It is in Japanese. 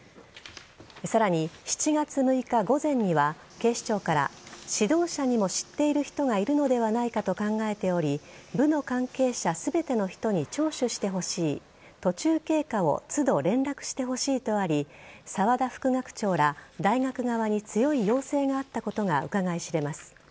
さらに、７月６日午前には警視庁から指導者にも知っている人がいるのではないかと考えており部の関係者全ての人に聴取してほしい途中経過を都度、連絡してほしいとあり沢田副学長ら大学側に強い要請があったことがうかがい知れます。